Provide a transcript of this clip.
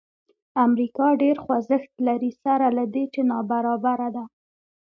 امریکا ډېر خوځښت لري سره له دې چې نابرابره ده.